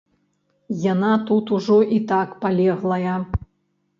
Яна тут ужо і так палеглая.